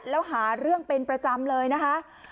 แล้วหาเรื่องเป็นประจำเลยนะคะ